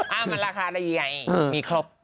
อ้าวมันราคาอะไรยังไงมีครบ